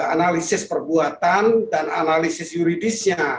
analisis perbuatan dan analisis yuridisnya